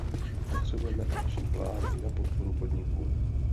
Potřebujeme akční plán i na podporu podniků.